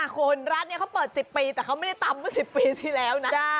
คุณร้านนี้เขาเปิด๑๐ปีแต่เขาไม่ได้ตำเมื่อ๑๐ปีที่แล้วนะ